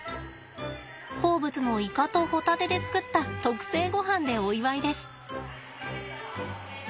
好物のイカとホタテで作った特製ごはんでお祝いです。